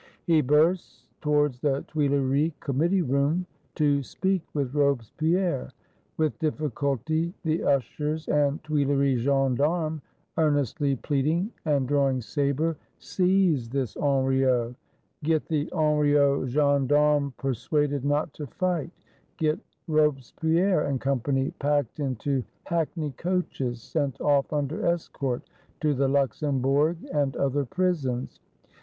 He bursts towards the Tuileries Committee room, " to speak with Robespierre "; with difficulty, the Ushers and Tuileries Gendarmes, earnestly pleading and draw ing saber, seize this Henriot; get the Henriot Gendarmes persuaded not to fight; get Robespierre and Company packed into hackney coaches, sent off under escort to the Luxembourg and other Prisons.